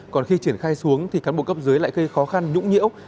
còn khi triển khai xuống thì các bộ cấp dưới lại khơi khó khăn nhũng nhiễu